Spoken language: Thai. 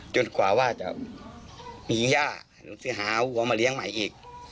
จนกว่าว่าจะมีหญ้าหาวัวมาเลี้ยงใหม่อีก